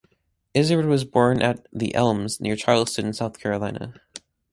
Izard was born at "The Elms" near Charleston, South Carolina.